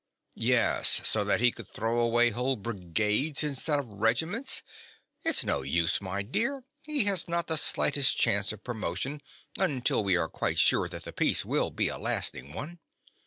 Yes, so that he could throw away whole brigades instead of regiments. It's no use, my dear: he has not the slightest chance of promotion until we are quite sure that the peace will be a lasting one.